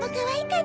はい。